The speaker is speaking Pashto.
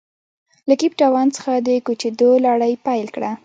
له کیپ ټاون څخه د کوچېدو لړۍ پیل کړه.